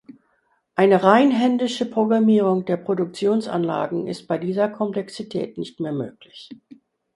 Eine rein händische Programmierung der Produktionsanlagen ist bei dieser Komplexität nicht mehr möglich.